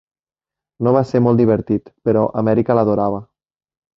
No va ser molt divertit, però Amèrica l'adorava